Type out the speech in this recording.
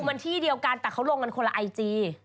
มันที่เดียวกันแต่เขาลงกันคนละไอจี